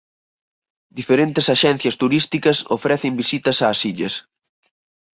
Diferentes axencias turísticas ofrecen visitas ás illas.